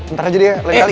ntar aja deh ya lagi lagi